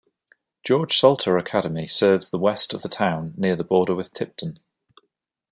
George Salter Academy serves the west of the town near the border with Tipton.